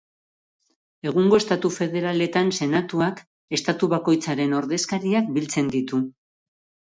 Egungo estatu federaletan senatuak estatu bakoitzaren ordezkariak biltzen ditu.